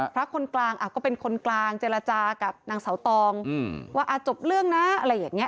คนกลางก็เป็นคนกลางเจรจากับนางเสาตองว่าจบเรื่องนะอะไรอย่างนี้